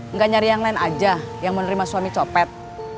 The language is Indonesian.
nggak nyari yang lain aja yang menerima suami copet